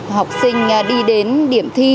học sinh đi đến điểm thi